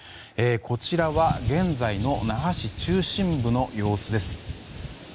こちらは現在の那覇市中心部の様子です。